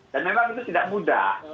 dan memang itu tidak mudah